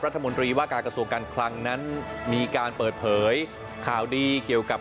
รัฐมนตรีว่าการกระทรวงการคลังนั้นมีการเปิดเผยข่าวดีเกี่ยวกับ